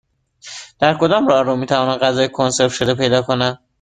در کدام راهرو می توانم غذای کنسرو شده پیدا کنم؟